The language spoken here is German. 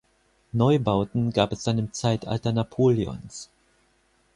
Neubauten gab es dann im Zeitalter Napoleons.